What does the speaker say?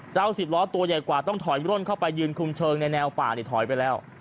สิบล้อตัวใหญ่กว่าต้องถอยร่นเข้าไปยืนคุมเชิงในแนวป่าเนี่ยถอยไปแล้ว